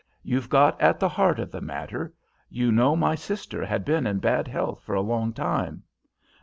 "You've got at the heart of the matter. You know my sister had been in bad health for a long time?"